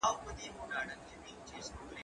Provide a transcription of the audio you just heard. هغه وويل چي زدکړه مهمه ده،